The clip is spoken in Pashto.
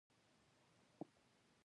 دا وروستي ساعتونه مې هیجاني او مضطرب وو.